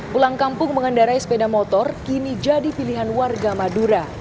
pulang kampung mengendarai sepeda motor kini jadi pilihan warga madura